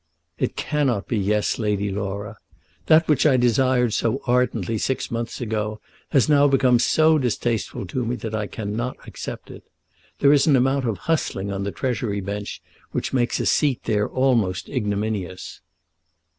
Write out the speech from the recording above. "It cannot be Yes, Lady Laura. That which I desired so ardently six months ago has now become so distasteful to me that I cannot accept it. There is an amount of hustling on the Treasury Bench which makes a seat there almost ignominious."